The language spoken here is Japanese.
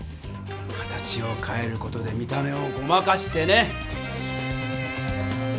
形をかえる事で見た目をごまかしてね！